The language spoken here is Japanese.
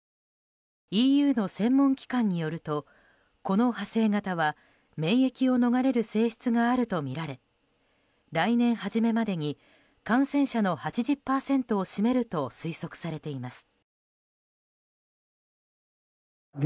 ＥＵの専門機関によるとこの派生型は免疫を逃れる性質があるとみられ来年初めまでに感染者の８０％を占めると推測されています。